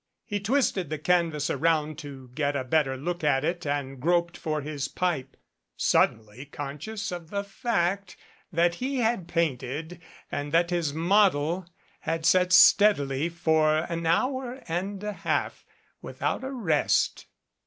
He twisted the canvas around to get a better look at it and groped for his pipe, suddenly conscious of the fact that he had painted and that his model had sat steadily for an hour and a half without a rest.